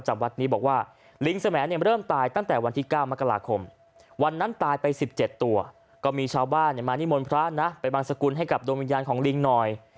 มานิมนต์พระนะไปบางสกุลให้กับโดมิญญาณของลิงหน่อย